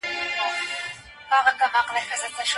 دا برخه د نورو جملو لپاره پیل دئ.